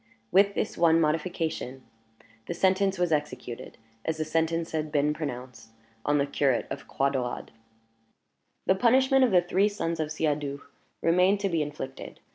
With this one modification, the sentence was executed, as the sentence had been pronounced, on the curate of Croix Daurade. The punishment of the three sons of Siadoux remained to be inflicted.